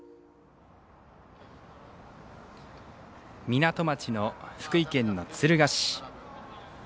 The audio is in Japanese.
港町の福井県の敦賀市。